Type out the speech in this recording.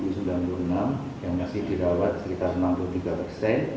jadi total jawa timur menjadi tujuh sembilan puluh enam yang masih dirawat sekitar enam puluh tiga pasien